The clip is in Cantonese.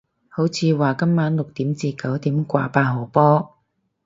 好似話今晚六點至九點掛八號波